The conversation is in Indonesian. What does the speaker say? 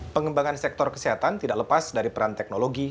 pengembangan sektor kesehatan tidak lepas dari peran teknologi